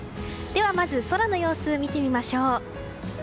ではまず空の様子、見てみましょう。